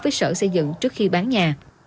với sở xây dựng trước khi bán nhà